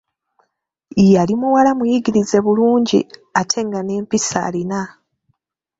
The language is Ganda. Yali muwala muyigirize bulungi, ate nga n'empisa alina!